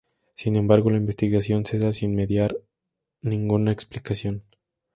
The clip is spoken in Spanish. Sin embargo, la investigación cesa sin mediar ninguna explicación.